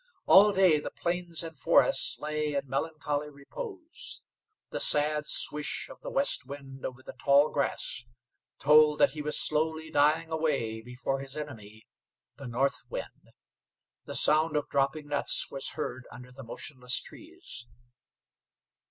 All day the plains and forests lay in melancholy repose. The sad swish of the west wind over the tall grass told that he was slowly dying away before his enemy, the north wind. The sound of dropping nuts was heard under the motionless trees.